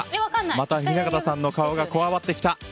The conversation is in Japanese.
また雛形さんの顔がこわばってきた。